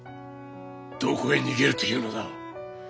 どこへ逃げるというのだ？